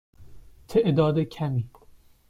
تعداد کمی.